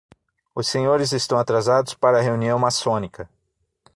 Os senhores estão atrasados para a reunião maçônica